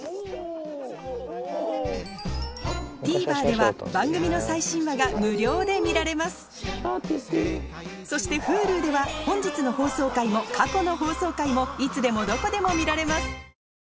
ＴＶｅｒでは番組の最新話が無料で見られますそしてＨｕｌｕでは本日の放送回も過去の放送回もいつでもどこでも見られます